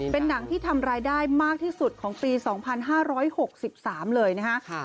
เป็นหนังที่ทำรายได้มากที่สุดของปี๒๕๖๓เลยนะคะ